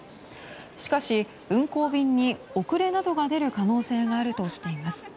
しかし運航便に遅れなどが出る可能性があるとしています。